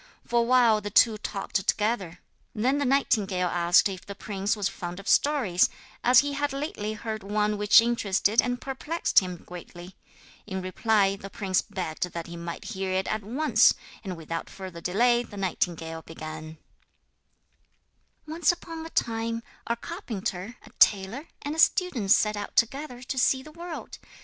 For a while the two talked together: then the nightingale asked if the prince was fond of stories, as he had lately heard one which interested and perplexed him greatly. In reply, the prince begged that he might hear it at once, and without further delay the nightingale began: [Illustration: 'THE SEVEN VEILS FELL FROM HER'] 'Once upon a time, a carpenter, a tailor, and a student set out together to see the world.